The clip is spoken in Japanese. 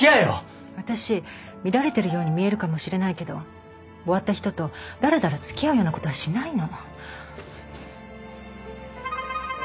私乱れてるように見えるかもしれないけど終わった人とだらだら付き合うようなことはしないの。